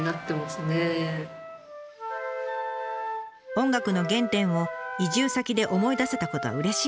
音楽の原点を移住先で思い出せたことはうれしい発見でした。